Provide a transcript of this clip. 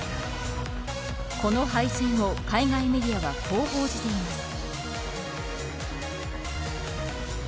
この敗戦を海外メディアはこう報じています。